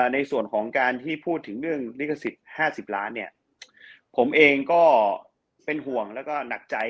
ในส่วนของการที่พูดถึงเรื่องลิขสิทธิ์๕๐ล้านเนี่ยผมเองก็เป็นห่วงแล้วก็หนักใจ